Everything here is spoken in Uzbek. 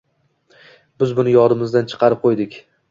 Biz buni yodimizdan chiqarib qo‘ydik